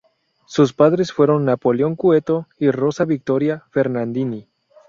Sus padres fueron Napoleón Cueto y Rosa Victoria Fernandini.